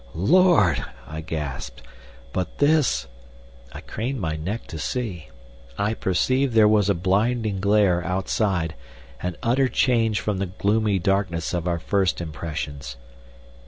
"Lord!" I gasped. "But this—" I craned my neck to see. I perceived there was a blinding glare outside, an utter change from the gloomy darkness of our first impressions.